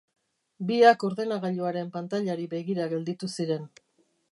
Biak ordenagailuaren pantailari begira gelditu ziren.